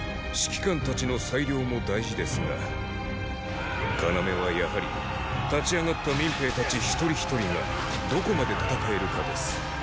指揮官たちの裁量も大事ですが要はやはり立ち上がった民兵たち一人一人がどこまで戦えるかです。